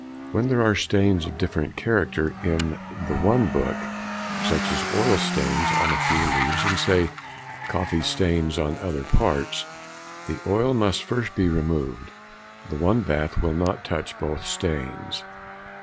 When there are stains of different character in the one book, such as oil stains on a few leaves, and, say, coffee stains in other parts, the oil must be first removed; the one bath will not touch both stains.